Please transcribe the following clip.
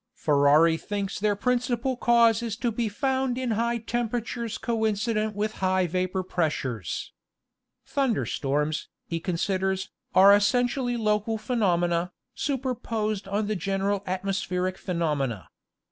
Ferari thinks their principal cause is to be found in high tem peratures coincident with high vapor pressures. 'Thunder storms, he considers, are essentially local phenomena, superposed on the general atmospheric phenomena.